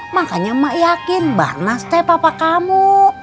makanya emak yakin barnas teh papa kamu